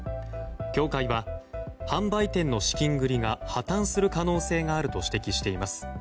協会は販売店の資金繰りが破綻する可能性があると指摘しています。